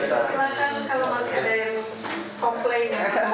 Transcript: atau silakan kalau masih ada yang komplain